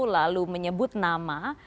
lalu menyebut nama